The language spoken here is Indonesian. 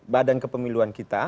badan kepemiluan kita